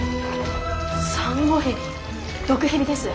サンゴヘビ毒蛇です。